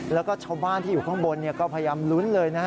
แล้วก็ชาวบ้านที่อยู่ข้างบนก็พยายามลุ้นเลยนะฮะ